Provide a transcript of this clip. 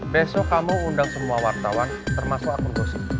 besok kamu undang semua wartawan termasuk aku bos